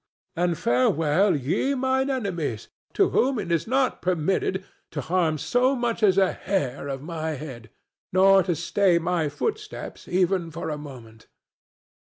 —And farewell, ye mine enemies, to whom it is not permitted to harm so much as a hair of my head, nor to stay my footsteps even for a moment.